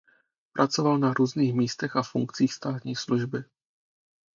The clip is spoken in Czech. Pracoval na různých místech a funkcích státní služby.